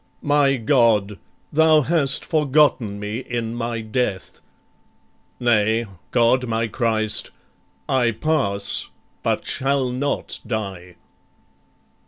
My God, thou hast forgotten me in my death: Nay God my Christ I pass but shall not die."